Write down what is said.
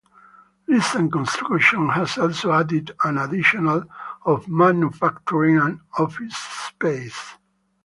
Recent construction has also added an additional of manufacturing and office space.